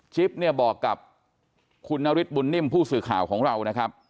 เนี่ยบอกกับคุณนฤทธบุญนิ่มผู้สื่อข่าวของเรานะครับ